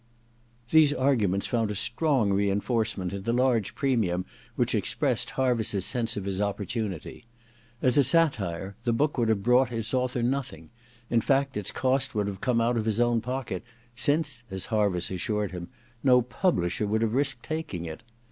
These arguments found a strong reinforce ment in the large premium which expressed Harviss's sense of his opportunity. As a satire the book would have brought its author nothing ; in fact, its cost would have come out of his own pocket, since, as Harviss assured him, no publisher would have risked taking it.